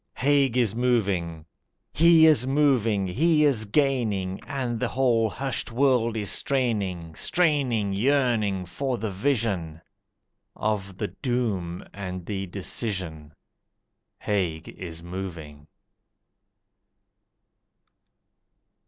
Haig is moving! He is moving, he is gaining, And the whole hushed world is straining, Straining, yearning, for the vision Of the doom and the decision Haig is moving!